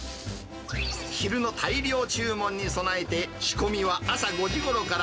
昼の大量注文に備えて、仕込みは朝５時ごろから。